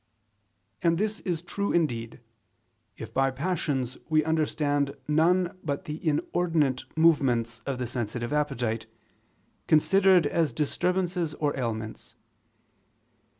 And this is true indeed, if by passions we understand none but the inordinate movements of the sensitive appetite, considered as disturbances or ailments.